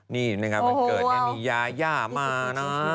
นี่นะครับวันเกิดมียามานะ